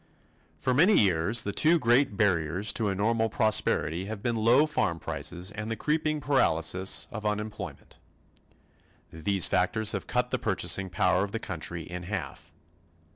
For many years the two great barriers to a normal prosperity have been low farm prices and the creeping paralysis of unemployment. These factors have cut the purchasing power of the country in half.